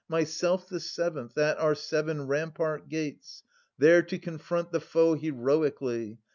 Myself the seventh, at our seven rampart gates, There to confront the foe heroically.